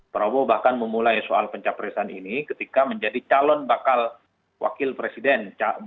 prabowo bahkan memulai soal pencapresan ini ketika menjadi calon bakal wakil presiden